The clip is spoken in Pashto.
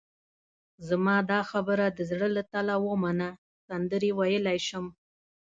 زما دا خبره د زړه له تله ومنه، سندرې ویلای شم.